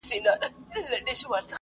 زه به سبا مړۍ وخورم!؟